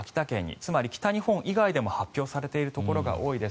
つまり北日本以外でも発表されているところが多いです